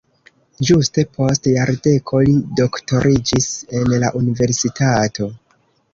Ĝuste post jardeko li doktoriĝis en la universitato.